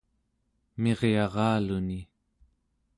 miryaraluni